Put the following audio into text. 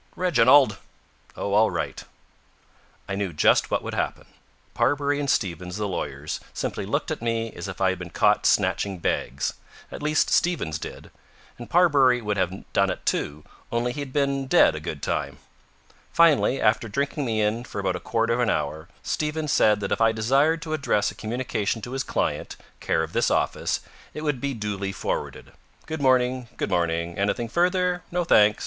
"Reginald!" "Oh, all right." I knew just what would happen. Parbury and Stevens, the lawyers, simply looked at me as if I had been caught snatching bags. At least, Stevens did. And Parbury would have done it, too, only he had been dead a good time. Finally, after drinking me in for about a quarter of an hour, Stevens said that if I desired to address a communication to his client, care of this office, it would be duly forwarded. Good morning. Good morning. Anything further? No, thanks.